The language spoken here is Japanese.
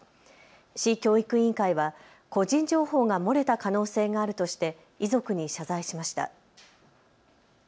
市教育委員会は個人情報が漏れた可能性があるとして遺族に謝罪しました。